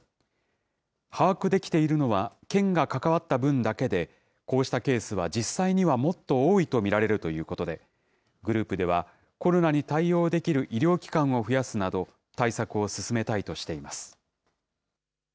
把握できているのは、県が関わった分だけで、こうしたケースは実際にはもっと多いと見られるということで、グループでは、コロナに対応できる医療機関を増やすなど、対策を進めたいとしています。